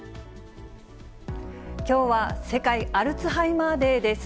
きょうは世界アルツハイマーデーです。